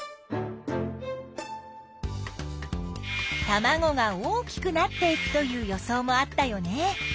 たまごが大きくなっていくという予想もあったよね。